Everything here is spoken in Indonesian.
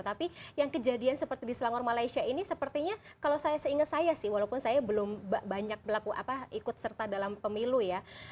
tapi yang kejadian seperti di selangor malaysia ini sepertinya kalau saya seingat saya sih walaupun saya belum banyak ikut serta dalam pemilu ya